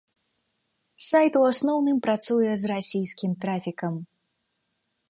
Сайт у асноўным працуе з расійскім трафікам.